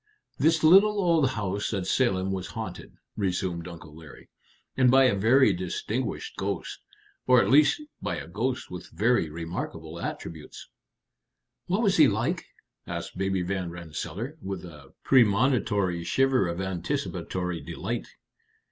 "This little old house at Salem was haunted," resumed Uncle Larry. "And by a very distinguished ghost or at least by a ghost with very remarkable attributes." "What was he like?" asked Baby Van Rensselaer, with a premonitory shiver of anticipatory delight.